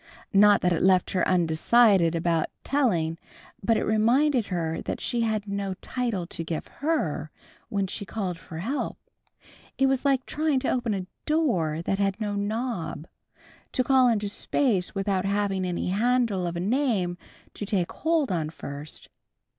Not that it left her undecided about telling, but it reminded her that she had no title to give "Her," when she called for help. It was like trying to open a door that had no knob, to call into space without having any handle of a name to take hold of first.